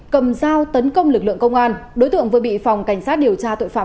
cầm dao tấn công lực lượng công an đối tượng vừa bị phòng cảnh sát điều tra tội phạm